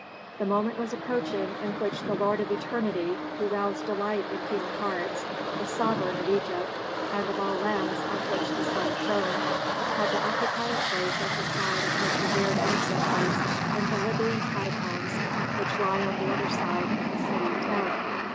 The moment was approaching in which the lord of eternity, who roused delight in human hearts, the sovereign of Egypt, and of all lands on which the sun shone, had to occupy a place at the side of his revered ancestors in the Libyan catacombs which lie on the other side of the city Teb.